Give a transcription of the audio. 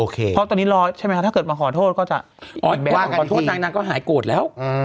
เพราะตอนนี้รอใช่ไหมคะถ้าเกิดมาขอโทษก็จะว่าขอโทษนางนางก็หายโกรธแล้ว